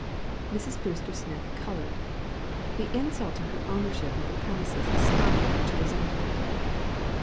Mrs. Brewster Smith colored. The insult to her ownership of the premises stung her to resentment.